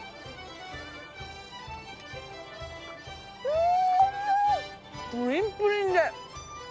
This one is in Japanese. うーん、プリンプリンで。